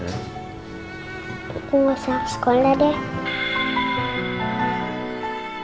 aku gak usah ke sekolah deh